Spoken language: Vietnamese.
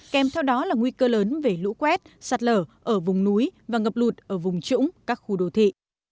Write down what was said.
kèm theo đó là nguy cơ lớn về lũ quét sạt lở ở vùng núi và ngập lụt ở vùng trũng các khu đồ thị